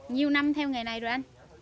nhiều năm theo nghề này rồi anh